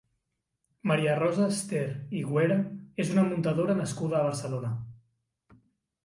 Maria Rosa Ester i Güera és una muntadora nascuda a Barcelona.